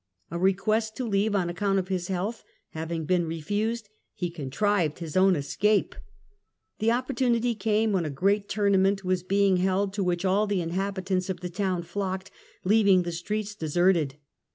A request to leave on account of his health having been refused, he contrived his own escape. The opportunity Flight of came when a great tournament was being held, to °^^ which all the inhabitants of the town flocked, leaving the streets deserted.